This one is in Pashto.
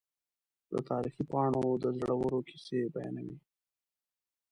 د تاریخ پاڼې د زړورو کیسې بیانوي.